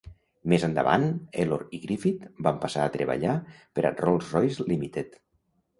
Més endavant, Ellor i Griffith van passar a treballar per a Rolls-Royce Limited.